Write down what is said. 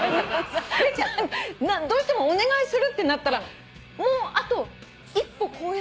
どうしてもお願いするってなったらもうあと１歩こうやって。